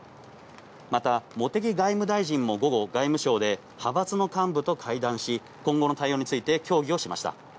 また茂木外務大臣も午後、外務省で派閥の幹部と会談し、今後の対応について協議をしました。